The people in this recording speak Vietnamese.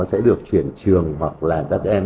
sẽ được chuyển trường hoặc là các em